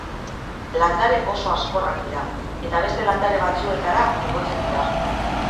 Landare oso hazkorrak dira, eta beste landare batzuetara igotzen dira.